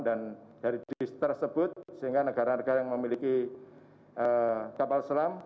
dan dari distres tersebut sehingga negara negara yang memiliki kapal selam